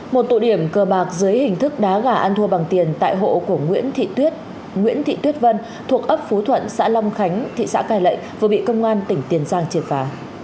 một tụ điểm cờ bạc dưới hình thức đá gà ăn thua bằng tiền tại hộ của nguyễn thị tuyết nguyễn thị tuyết vân thuộc ấp phú thuận xã long khánh thị xã cai lệ vừa bị công an tỉnh tiền giang triệt phá